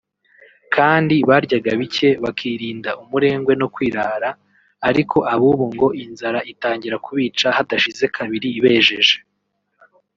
kandi baryaga bike bakirinda umurengwe no kwirara; ariko ab’ububu ngo inzara itangira kubica hadashize kabiri bejeje